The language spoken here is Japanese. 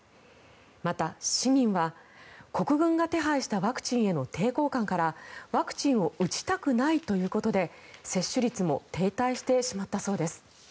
また、市民は国軍が手配したワクチンへの抵抗感からワクチンを打ちたくないということで接種率も停滞してしまったそうです。